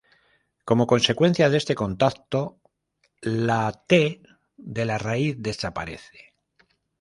Como consecuencia de este contacto, la "-t" de la raíz desaparece.